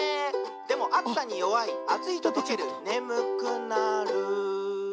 「でもあつさによわいあついととけるねむくなる」